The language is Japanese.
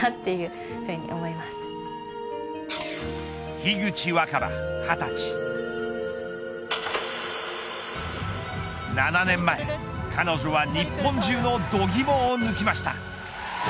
樋口新葉、２０歳７年前から彼女は日本中の度肝をぬきました。